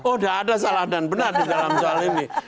oh udah ada salah dan benar di dalam soal ini